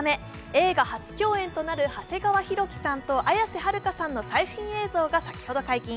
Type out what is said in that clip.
映画初共演となる長谷川博己さんと綾瀬はるかさんの最新映像が先ほど解禁。